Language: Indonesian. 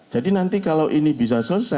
jadi nanti kalau ini bisa selesai